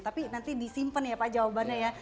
tapi nanti disimpan ya pak jawabannya ya